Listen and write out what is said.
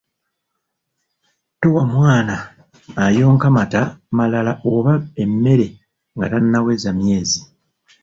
Towa mwana ayonka mata malala oba emmere nga tannaweza myezi !